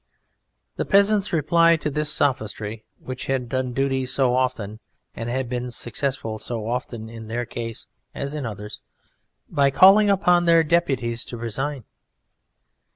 The peasants replied to this sophistry, which had done duty so often and had been successful so often in their case as in others, by calling upon their Deputies to resign.